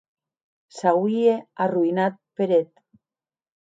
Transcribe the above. S’auie arroïnat per eth.